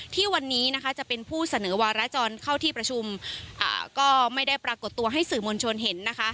ที่วันนี้นะคะจะเป็นผู้เสนอวารจรเข้าที่ประชุมก็ไม่ได้ปรากฏตัวให้สื่อมวลชนเห็นนะคะ